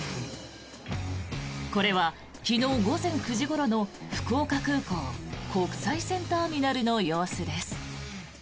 これは昨日午前９時ごろの福岡空港国際線ターミナルの様子です。